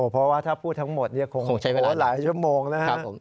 เพราะว่าถ้าพูดทั้งหมดคงใช้เวลาหลายชั่วโมงนะครับ